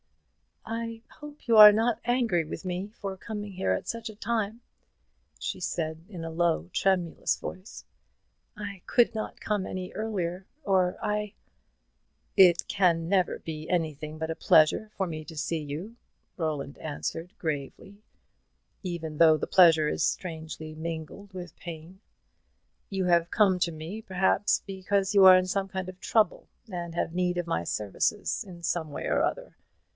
"I hope you are not angry with me for coming here at such a time," she said, in a low tremulous voice; "I could not come any earlier, or I " "It can never be anything but a pleasure to me to see you," Roland answered, gravely, "even though the pleasure is strangely mingled with pain. You have come to me, perhaps, because you are in some kind of trouble, and have need of my services in some way or other.